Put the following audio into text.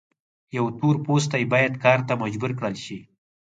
یو تور پوستی باید کار ته مجبور کړل شي.